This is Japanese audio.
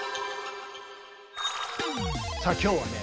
さあ今日はね